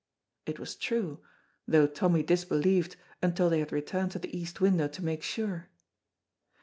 It was true, though Tommy disbelieved until they had returned to the east window to make sure.